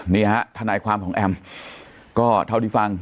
นี่ฮะทนายความของแอมก็เท่าที่ฟัง